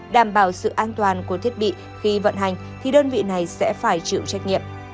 đảm bảo sự an toàn của thiết bị khi vận hành thì đơn vị này sẽ phải chịu trách nhiệm